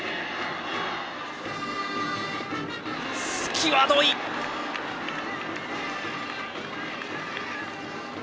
際どい！